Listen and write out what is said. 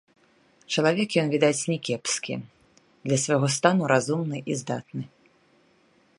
Чалавек ён, відаць, не кепскі, для свайго стану разумны і здатны.